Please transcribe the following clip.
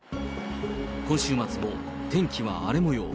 今週末も天気は荒れもよう。